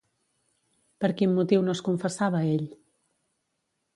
Per quin motiu no es confessava ell?